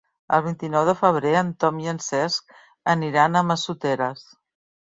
El vint-i-nou de febrer en Tom i en Cesc aniran a Massoteres.